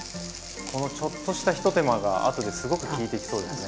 このちょっとしたひと手間があとですごく効いてきそうですね。